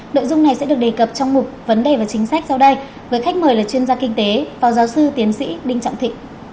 nội dung này sẽ được đề cập trong mục vấn đề và chính sách sau đây với khách mời là chuyên gia kinh tế phó giáo sư tiến sĩ đinh trọng thị